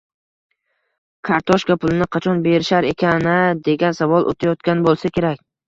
“kartoshka pulini qachon berishar ekan-a” degan savol o‘tayotgan bo‘lsa kerak.